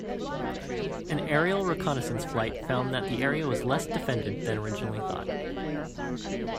An aerial reconnaissance flight found that the area was less defended than originally thought.